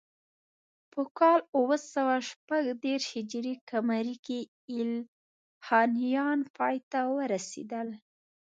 په کال اوه سوه شپږ دېرش هجري قمري کې ایلخانیان پای ته ورسېدل.